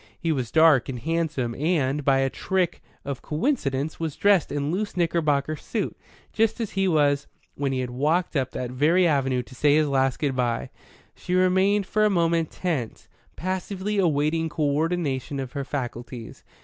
He was dark and handsome, and, by a trick of coincidence, was dressed in loose knickerbocker suit, just as he was when he had walked up that very avenue to say his last good bye. She remained for a moment tense, passively awaiting co ordination of her faculties.